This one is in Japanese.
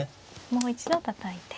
もう一度たたいて。